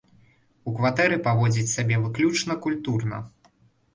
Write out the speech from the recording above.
У кватэры паводзіць сябе выключна культурна.